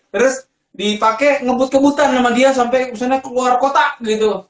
terus dipakai ngebut ngebutan sama dia sampai misalnya keluar kota gitu loh